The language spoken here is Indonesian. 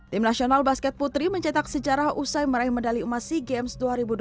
tim nasional basket putri mencetak sejarah usai meraih medali emas sea games dua ribu dua puluh